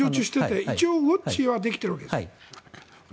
一応、ウォッチはできているわけですか。